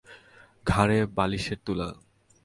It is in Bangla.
ঘাড়ে বালিশের তুলা।